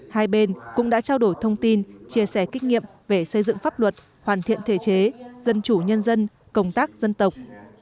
hai bên cũng đã trao đổi thông tin chia sẻ kinh nghiệm về xây dựng pháp luật hoàn thiện thể chế dân chủ nhân dân công tác dân tộc